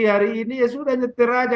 hari ini sudah nyetir saja